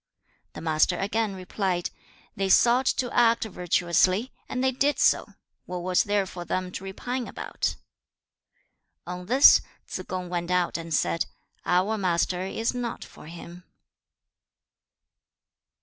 The Master again replied, 'They sought to act virtuously, and they did so; what was there for them to repine about?' On this, Tsze kung went out and said, 'Our Master is not for him.'